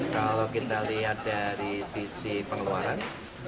kalau kita lihat dari sisi pengeluaran